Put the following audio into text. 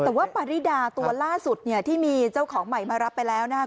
แต่ว่าปาริดาตัวล่าสุดเนี่ยที่มีเจ้าของใหม่มารับไปแล้วนะครับ